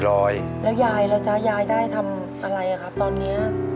๔๐๐บาทครับแล้วยายแล้วจ้ายายได้ทำอะไรครับตอนนี้